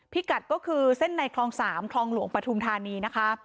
กัดก็คือเส้นในคลอง๓คลองหลวงปฐุมธานีนะคะ